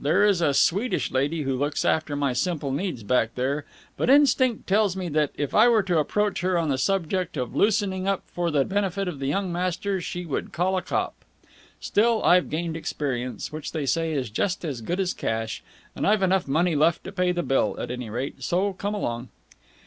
There is a Swedish lady who looks after my simple needs back there, but instinct tells me that, if I were to approach her on the subject of loosening up for the benefit of the young master, she would call a cop. Still, I've gained experience, which they say is just as good as cash, and I've enough money left to pay the bill, at any rate, so come along."